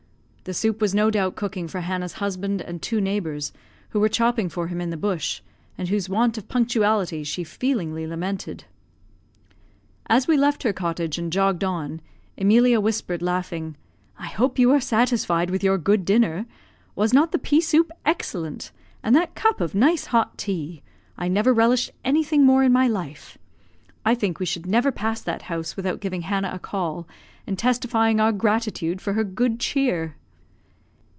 The soup was no doubt cooking for Hannah's husband and two neighbours, who were chopping for him in the bush; and whose want of punctuality she feelingly lamented. As we left her cottage, and jogged on, Emilia whispered, laughing, "I hope you are satisfied with your good dinner? Was not the pea soup excellent? and that cup of nice hot tea! I never relished anything more in my life. I think we should never pass that house without giving Hannah a call, and testifying our gratitude for her good cheer."